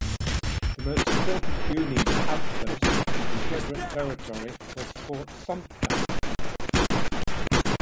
The most important Union "outpost" in Confederate territory was Fort Sumter.